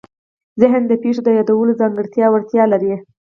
ذهن د پېښو د یادولو ځانګړې وړتیا لري.